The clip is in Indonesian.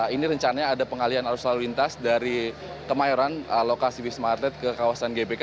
ini rencananya ada pengalian arus lalu lintas dari kemayoran lokasi wisma atlet ke kawasan gbk